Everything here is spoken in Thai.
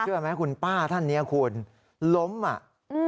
เชื่อไหมคุณป้าท่านเนี้ยคุณล้มอ่ะอืม